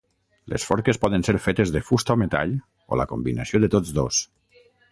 Les forques poden ser fetes de fusta o metall o la combinació de tots dos.